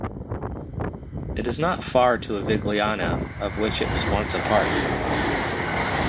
It is not far to Avigliana, of which it once was a part.